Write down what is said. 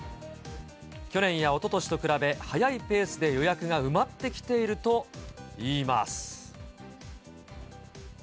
去年やおととしと比べ、早いペースで予約が埋まってきているといいます。